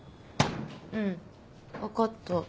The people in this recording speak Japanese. うんわかった。